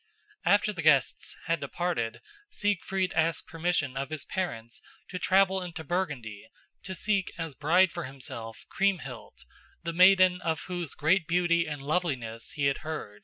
After the guests had departed, Siegfried asked permission of his parents to travel into Burgundy to seek as bride for himself Kriemhild, the maiden of whose great beauty and loveliness he had heard.